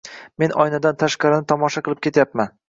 Men oynadan tashqarini tomosha qilib ketyapman